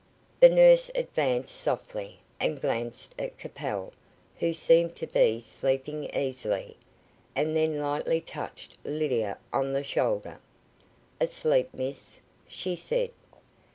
The nurse advanced softly, and glanced at Capel, who seemed to be sleeping easily, and then lightly touched Lydia on the shoulder. "Asleep, miss?" she said.